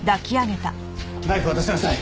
ナイフを渡しなさい。